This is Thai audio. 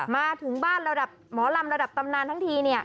มาถึงบ้านหมอลำระดับตำนานทั้งทีเนี่ย